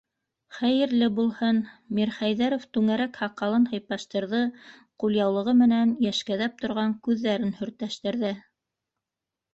Хәйерле булһын, - Мирхәйҙәров түңәрәк һаҡалын һыйпаштырҙы, ҡулъяулығы менән йәшкәҙәп торған күҙҙәрен һөртәштәрҙә.